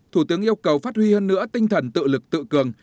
thủ tướng yêu cầu phát huy hơn nữa tinh thần tự lực tự cường